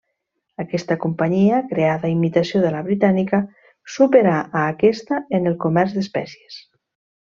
Aquesta companyia, creada a imitació de la britànica, superà a aquesta en el comerç d'espècies.